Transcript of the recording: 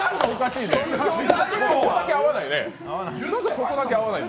そこだけ合わないね？